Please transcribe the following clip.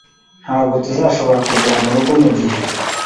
Ntabwo tuzashobora kugera murugo mugihe